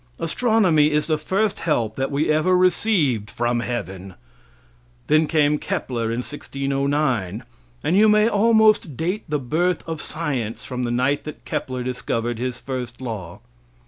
Astronomy is the first help that we ever received from heaven. Then came Kepler in 1609, and you may almost date the birth of science from the night that Kepler discovered his first law.